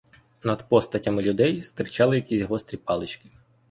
Над постатями людей стирчали якісь гострі палички.